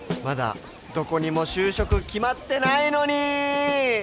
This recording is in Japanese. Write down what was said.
まだどこにも就職決まってないのに！